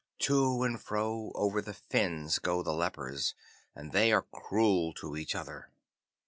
To and fro over the fens go the lepers, and they are cruel to each other.